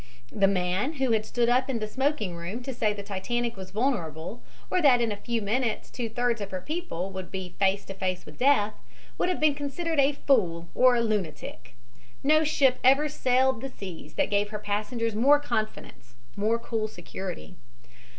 The man who had stood up in the smoking room to say that the Titanic was vulnerable or that in a few minutes two thirds of her people would be face to face with death, would have been considered a fool or a lunatic. No ship ever sailed the seas that gave her passengers more confidence, more cool security.